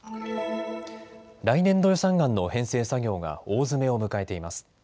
来年度予算案の編成作業が大詰めを迎えています。